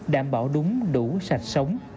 đảm bảo đúng đủ sạch sống